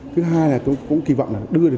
thứ hai là tôi cũng kỳ vọng là đưa được